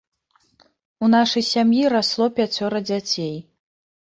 У нашай сям'і расло пяцёра дзяцей.